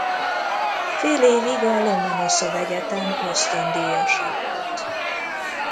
Fél évig a Lomonoszov Egyetem ösztöndíjasa volt.